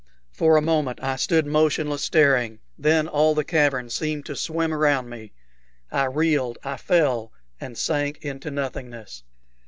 For a moment I stood motionless staring; then all the cavern seemed to swim around me. I reeled, I fell, and sank into nothingness.